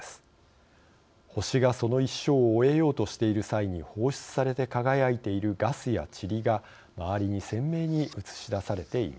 星がその一生を終えようとしている際に放出されて輝いているガスやちりが周りに鮮明に写し出されています。